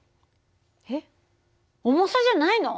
えっ重さじゃないの？